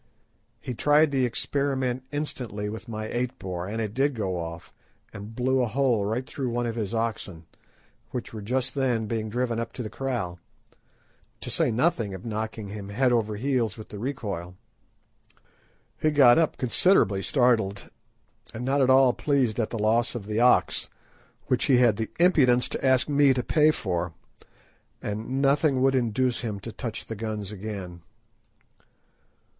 He tried the experiment instantly with my eight bore, and it did go off, and blew a hole right through one of his oxen, which were just then being driven up to the kraal, to say nothing of knocking him head over heels with the recoil. He got up considerably startled, and not at all pleased at the loss of the ox, which he had the impudence to ask me to pay for, and nothing would induce him to touch the guns again.